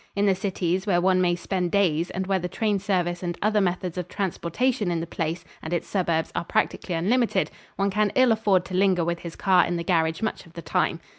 In the cities, where one may spend days and where the train service and other methods of transportation in the place and its suburbs are practically unlimited, one can ill afford to linger with his car in the garage much of the time.